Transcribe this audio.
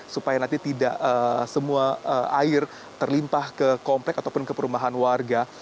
supaya nanti tidak semua air terlimpah ke komplek ataupun ke perumahan warga